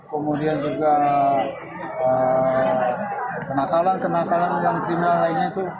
kemudian juga kenakalan kenakalan yang kriminal lainnya itu